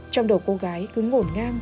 trong đầu cô gái cứ ngổn ngang